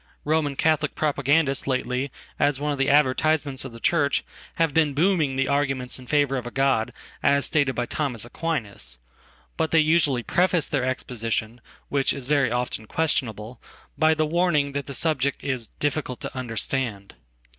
Roman Catholic propagandists lately, asone of the advertisements of the Church, have been booming thearguments in favor of a God as stated by Thomas Aquinas. But theyusually preface their exposition — which is very oftenquestionable — by the warning that the subject is difficult tounderstand.